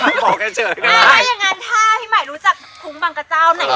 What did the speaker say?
ถ้าอย่างนั้นถ้าพี่ใหม่รู้จักคุ้งบางกระเจ้า